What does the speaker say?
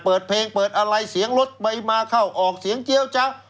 เปิดเพลงเปิดอะไรเสียงรถไปมาเข้าออกเสียงเจี๊ยวจ๊ะ